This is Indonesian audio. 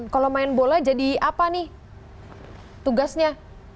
kalau main bola jadi apa nih tugasnya